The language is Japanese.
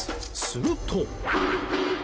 すると。